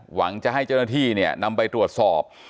หวังจะให้เจ้าหน้าที่เนี่ยนำไปตรวจสอบ